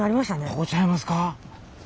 ここちゃいますか。